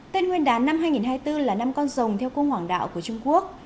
tên nguyên đán năm hai nghìn hai mươi bốn là năm con rồng theo cung hoảng đạo của trung quốc